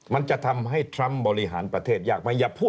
มันจะทำให้ทรัมป์บริหารประเทศยากไหมอย่าพูด